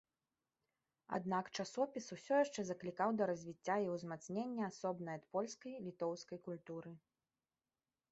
Аднак, часопіс ўсё яшчэ заклікаў да развіцця і ўзмацнення асобнай ад польскай літоўскай культуры.